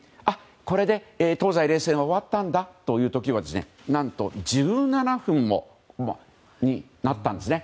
これで、東西冷戦が終わったんだという時は何と１７分前になったんですね。